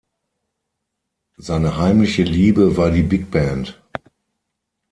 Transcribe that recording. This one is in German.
Seine heimliche Liebe war die Big Band.